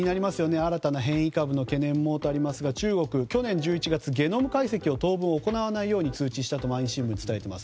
新たな変異株の懸念もとありますが、中国は去年１１月ゲノム解析を当分行わないように通知したと毎日新聞が伝えています。